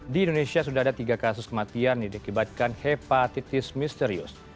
di indonesia sudah ada tiga kasus kematian yang diakibatkan hepatitis misterius